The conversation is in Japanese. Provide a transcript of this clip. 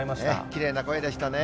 きれいな声でしたね。